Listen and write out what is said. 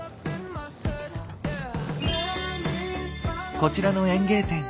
こちらの園芸店